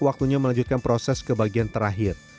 waktunya melanjutkan proses ke bagian terakhir